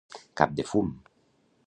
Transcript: Cap de fum.